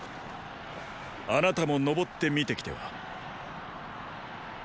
あなたも登って見て来ては？